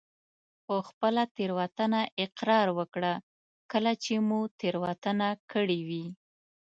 په خپله تېروتنه اقرار وکړه کله چې مو تېروتنه کړي وي.